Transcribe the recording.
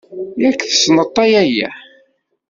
Yak tessneḍ-t a yaya.